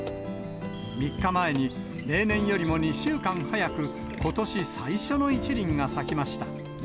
３日前に、例年よりも２週間早くことし最初の１輪が咲きました。